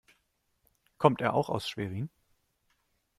Kommt er auch aus Schwerin?